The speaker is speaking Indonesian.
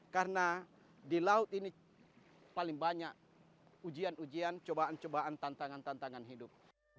karena di laut ini paling banyak ujian ujian cobaan cobaan tantangan tantangan hidup